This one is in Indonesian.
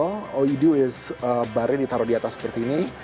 all you do is bar yang ditaro di atas seperti ini